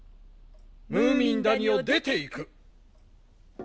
ムーミン谷を出ていく。